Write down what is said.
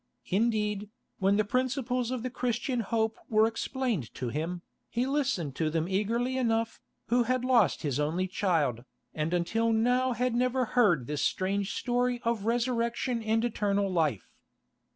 Indeed, when the principles of the Christian hope were explained to him, he listened to them eagerly enough, who had lost his only child, and until now had never heard this strange story of resurrection and eternal life.